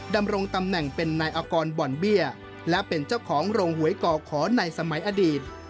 ดำรงตำแหน่งเป็นนายอากรบ่อนเบี้ยและเป็นเจ้าของโรงหวยก่อขอในสมัยอดีต